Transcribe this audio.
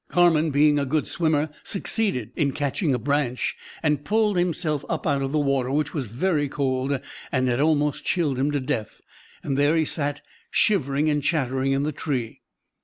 "Carman, being a good swimmer, succeeded in catching a branch, and pulled himself up out of the water, which was very cold, and had almost chilled him to death; and there he sat, shivering and chattering in the tree.